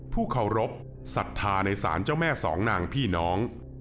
ผู้เคารพสัทธาในศาลเจ้าแม่สองนางพี่น้อง